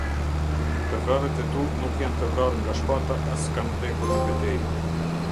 Të vrarët e tu nuk janë vrarë nga shpata as kanë vdekur në betejë.